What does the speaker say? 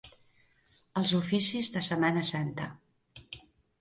Els oficis de Setmana Santa.